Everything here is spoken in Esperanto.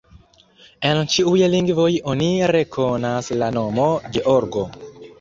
En ĉiuj lingvoj oni rekonas la nomo: Georgo.